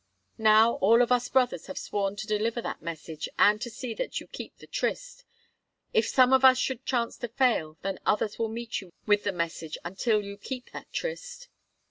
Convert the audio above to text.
Now, all of us brothers have sworn to deliver that message, and to see that you keep the tryst. If some of us should chance to fail, then others will meet you with the message until you keep that tryst."